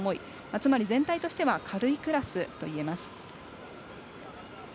つまり全体としては軽いクラスといえます。